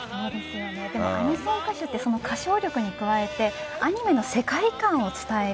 でも、アニソン歌手って作曲、歌唱力に加えてアニメの世界観を伝える。